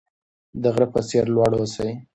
د غره په څیر لوړ اوسئ.